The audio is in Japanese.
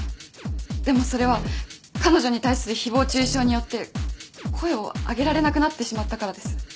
でもそれは彼女に対する誹謗中傷によって声をあげられなくなってしまったからです。